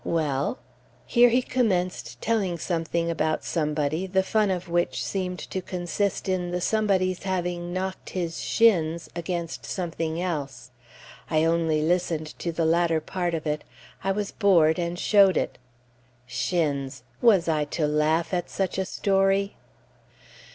Well " here he commenced telling something about somebody, the fun of which seemed to consist in the somebody's having "knocked his shins" against something else. I only listened to the latter part; I was bored, and showed it. "Shins!" was I to laugh at such a story?